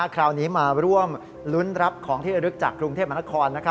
คราวนี้มาร่วมรุ้นรับของที่ระลึกจากกรุงเทพมนคร